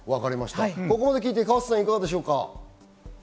ここまで聞いて河瀬さん、いかがですか？